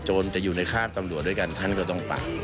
จะอยู่ในฆาตตำรวจด้วยกันท่านก็ต้องไป